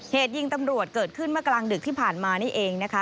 เหตุยิงตำรวจเกิดขึ้นเมื่อกลางดึกที่ผ่านมานี่เองนะคะ